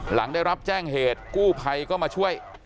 หลังได้รับแจ้งเหตุกู้ภัยก็มาช่วย